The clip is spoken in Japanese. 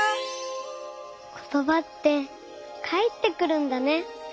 ことばってかえってくるんだね。